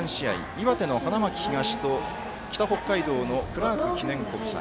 岩手の花巻東と北北海道のクラーク記念国際。